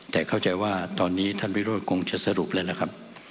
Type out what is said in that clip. แต่เข้าใจว่าตอนนี้ท่านวิโรธคงจะสรุปแล้วล่ะครับ